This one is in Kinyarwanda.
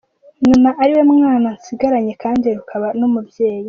Numva ari we mwana nsigaranye, kandi rukaba n’umubyeyi.